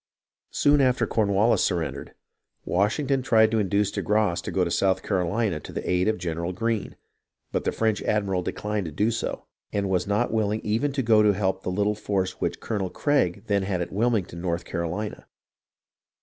Soon after Cornwallis surrendered, Washington tried to induce de Grasse to go to South Carolina to the aid of General Greene ; but the French admiral declined to do so, and was not willing even to go to help the little force which Colonel Craig then had at Wilmington, North Caro lina.